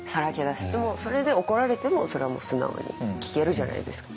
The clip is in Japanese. でもそれで怒られてもそれはもう素直に聞けるじゃないですか。